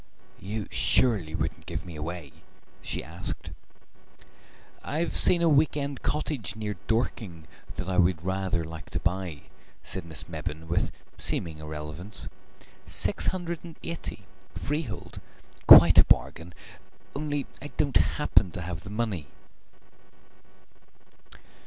"You surely wouldn't give me away?" she asked. "I've seen a week end cottage near Dorking that I should rather like to buy," said Miss Mebbin with seeming irrelevance. "Six hundred and eighty, freehold. Quite a bargain, only I don't happen to have the money."